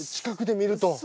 近くで見ると。